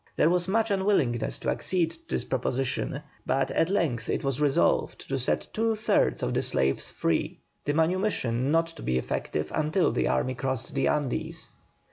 There was much unwillingness to accede to this proposition, but at length it was resolved to set two thirds of the slaves free, the manumission not to be effective until the army crossed the Andes.